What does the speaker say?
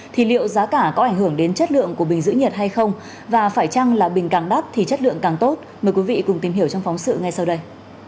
thì liệu giá cả có ảnh hưởng đến chất lượng của bình giữ nhiệt hay không và phải chăng là bình càng đắt thì chất lượng càng tốt mời quý vị cùng tìm hiểu trong phóng sự ngay sau đây